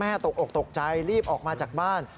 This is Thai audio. ตกอกตกใจรีบออกมาจากบ้าน